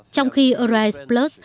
trong khi eurice plus